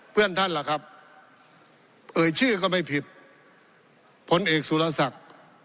เพื่อนท่านล่ะครับเอ่ยชื่อก็ไม่ผิดผลเอกสุรศักดิ์